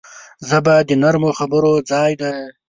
ژبه د نرمو خبرو ځای ده